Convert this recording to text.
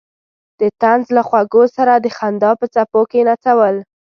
د طنز له خوږو سره د خندا په څپو کې نڅول.